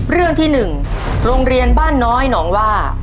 เรื่องที่๑โรงเรียนบ้านน้อยหนองว่า